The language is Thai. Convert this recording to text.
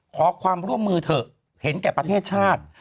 ขอความร่วมมือเถอะเห็นแก่ประเทศชาติ